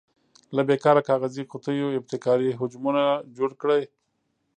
له بې کاره کاغذي قطیو ابتکاري حجمونه جوړ کړئ.